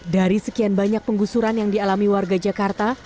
dari sekian banyak penggusuran yang dialami warga jakarta